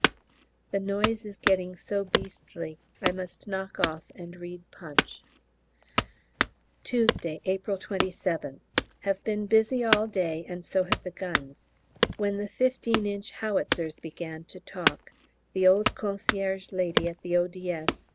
The noise is getting so beastly I must knock off and read 'Punch.' Tuesday, April 27th. Have been busy all day, and so have the guns. When the 15 inch howitzers began to talk the old concierge lady at the O.D.S.